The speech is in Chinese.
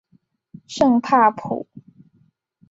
圣帕普。